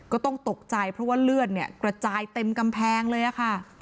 ก็ต้องตกใจเพราะว่าเลือดเนี่ยกระจายเต็มกำแพงเลยค่ะ